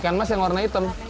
ikan mas yang warna hitam